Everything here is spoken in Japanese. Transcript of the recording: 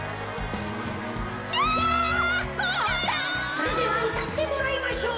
それではうたってもらいましょう。